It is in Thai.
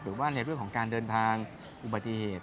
หรือว่าในเรื่องของการเดินทางอุบัติเหตุ